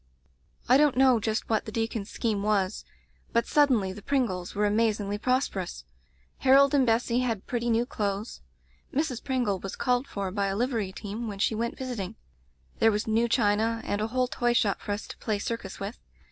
"I don't know just what the deacon's scheme was, but suddenly the Pringles were amazingly prosperous. Harold and Bessy had pretty new clothes. Mrs. Pringle was called for by a livery team when she went vis iting. There was new china, and a whole toyshop for us to play circus with.